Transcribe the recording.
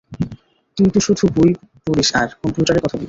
তুই তো শুধু বই পড়িস আর, কম্পিউটারে কথা বলিস।